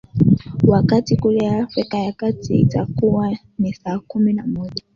wakati kule afrika ya kati itakuwa ni saa kumi na moja